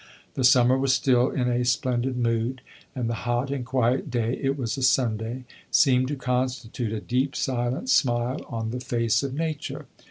The summer was still in a splendid mood, and the hot and quiet day it was a Sunday seemed to constitute a deep, silent smile on the face of nature.